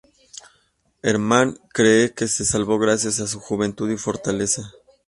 Herman cree que se salvó gracias a su juventud y fortaleza.